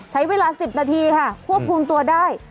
ใช้เวลา๑๐นาทีค่ะควบคุมตัวได้